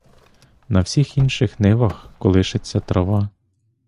На всіх інших нивах колишеться трава.